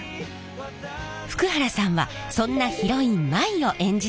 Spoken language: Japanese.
福原さんはそんなヒロイン舞を演じています！